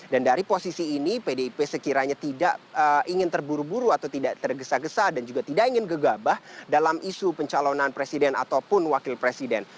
dan dari posisi ini pdip sekiranya tidak ingin terburu buru atau tidak tergesa gesa dan juga tidak ingin gegabah dalam isu pencalonan presiden ataupun wakil presiden